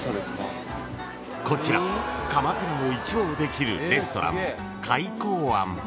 ［こちら鎌倉を一望できるレストラン］